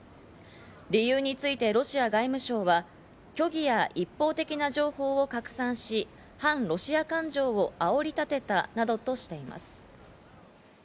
理由についてロシア外務省は、虚偽や一方的な情報を拡散し、反ロシア感情をあおり立てたなどとしています。